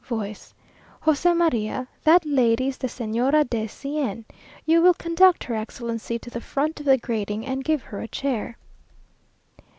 Voice. "José María That lady is the Señora de C n. You will conduct her excellency to the front of the grating, and give her a chair."